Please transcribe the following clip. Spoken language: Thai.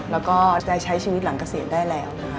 แล้วก็ได้ใช้ชีวิตหลังเกษตรได้แล้ว